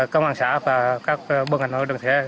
công an xã và các bộ ngành hội đồng xế